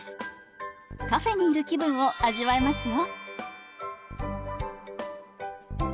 カフェにいる気分を味わえますよ。